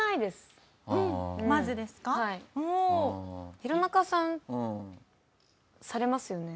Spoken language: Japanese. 弘中さんされますよね？